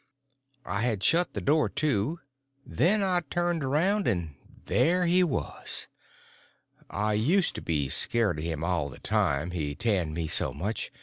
I had shut the door to. Then I turned around and there he was. I used to be scared of him all the time, he tanned me so much.